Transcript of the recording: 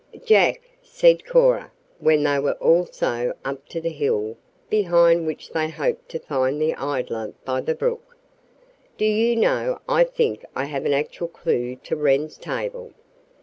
"Jack," said Cora, when they were also up to the hill behind which they hoped to find the idler by the brook, "do you know I think I have an actual clue to Wren's table.